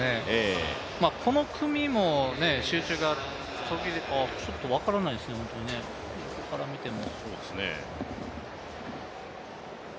この組も集中がちょっと分からないですね、横から見ても。